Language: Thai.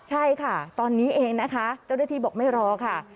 ใช่ค่ะตอนนี้เองนะคะเจ้าหน้าที่บอกไม่รอค่ะ